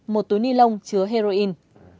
một túi ni lông chứa heroin